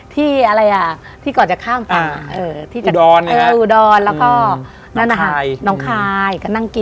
ที่อะไรอะที่ก่อนข้าง